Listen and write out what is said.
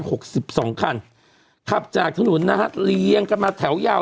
หกสิบสองคันขับจากถนนนะฮะเลียงกันมาแถวยาว